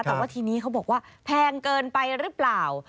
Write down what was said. แต่ว่าทีนี้เขาบอกว่าแพงเกินไปหรือเปล่า